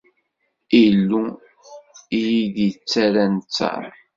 Illu i iyi-d-ittarran ttar.